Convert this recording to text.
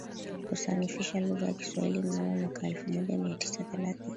Kusanifisha lugha ya kiswahili mnamo mwaka elfumoja miatisa thelathini